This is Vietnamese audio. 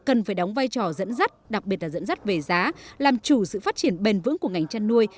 cần phải đóng vai trò dẫn dắt đặc biệt là dẫn dắt về giá làm chủ sự phát triển bền vững của ngành chăn nuôi